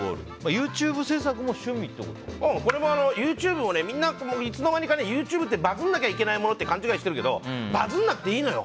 ＹｏｕＴｕｂｅ制作もこれもＹｏｕＴｕｂｅもみんないつの間にかＹｏｕＴｕｂｅってバズんなきゃいけないものって勘違いしてるけどバズんなくていいのよ。